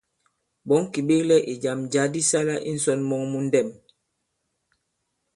Ɓɔ̌ŋ kì ɓeklɛ ì jàm jǎ di sālā i ǹsɔ̀n mɔŋ mu ndɛ̄m.